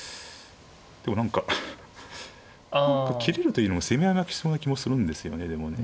でも何か本譜切れるというよりも攻め合い負けしそうな気もするんですよねでもね。